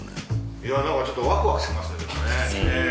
いやなんかちょっとワクワクしますよでもね。